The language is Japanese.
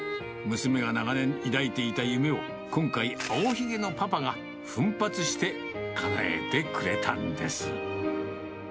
娘が長年抱いていた夢を、今回、青ひげのパパが奮発してかなえてくれたんです。